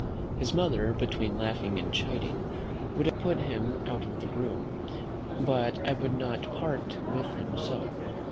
His mother, between laughing and chiding, would have put him out of the room; but I would not part with him so.